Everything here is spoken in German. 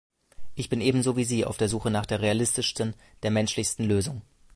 Ich bin ebenso wie Sie auf der Suche nach der realistischsten, der menschlichsten Lösung.